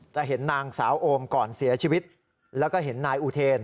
จะเห็นนางสาวโอมก่อนเสียชีวิตแล้วก็เห็นนายอุเทน